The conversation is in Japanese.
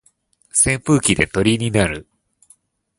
扇風機で鳥になる